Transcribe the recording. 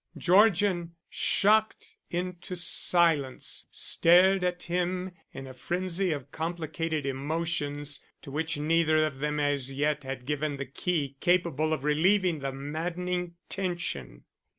Georgian, shocked into silence, stared at him in a frenzy of complicated emotions to which neither of them as yet had given the key capable of relieving the maddening tension.